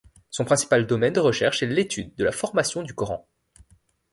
Son principal domaine de recherche est l'étude de la formation du Coran.